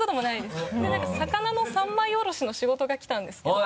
で何か魚の三枚おろしの仕事が来たんですけど。